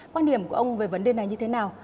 quan điểm của ông về vấn đề này như thế nào